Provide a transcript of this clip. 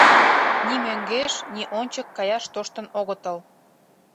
Ни мӧҥгеш, ни ончык каяш тоштын огытыл.